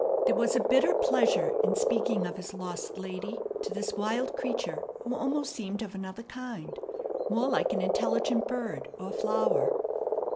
There was a bitter pleasure in speaking of his lost lady to this wild creature who almost seemed of another kind, more like an intelligent bird or flower.